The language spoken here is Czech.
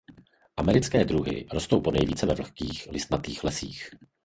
Americké druhy rostou ponejvíce ve vlhkých listnatých lesích.